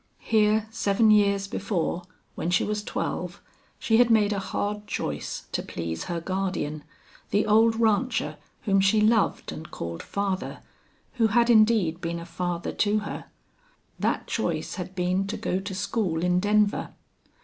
Here seven years before, when she was twelve, she had made a hard choice to please her guardian the old rancher whom she loved and called father, who had indeed been a father to her. That choice had been to go to school in Denver.